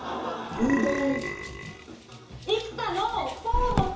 うどん。